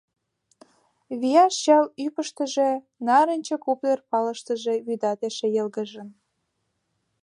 Вияш чал ӱпыштыжӧ, нарынче куптыр палыштыже вӱдат эше йылгыжын.